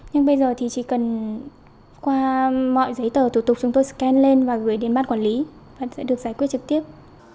nhưng bây giờ thì chỉ cần qua mọi giấy tờ thủ tục chúng tôi scan lên và gửi đến ban quản lý vẫn sẽ được giải quyết trực tiếp